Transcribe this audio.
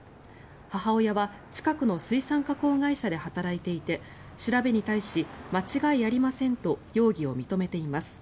母親は近くの水産加工会社で働いていて調べに対し間違いありませんと容疑を認めています。